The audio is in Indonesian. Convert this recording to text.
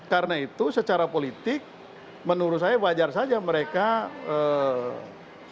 karena itu secara politik menurut saya wajar saja mereka mempercepat